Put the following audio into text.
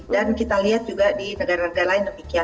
dan kita lihat juga di negara negara lain demikian